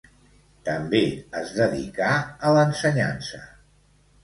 També es dedicà, a l'ensenyança.